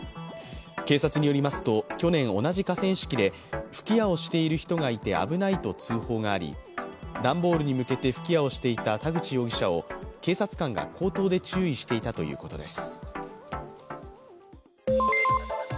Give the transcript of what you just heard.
警察によりますと、去年同じ河川敷で、吹き矢をしている人がいて危ないと通報があり、段ボールに向けて吹き矢をしていた田口容疑者を、警察官が口頭で注意していたということです。